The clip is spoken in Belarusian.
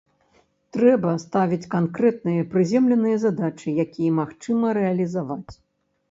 Трэба ставіць канкрэтныя прыземленыя задачы, якія магчыма рэалізаваць.